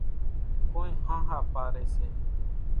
ڪونئين ۿانۿا پاريَ سي۔